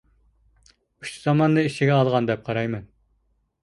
ئۇچ زاماننى ئىچىگە ئالغان دەپ قارايمەن.